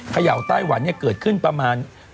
เขย่าไต้หวันเนี่ยเกิดขึ้นประมาณ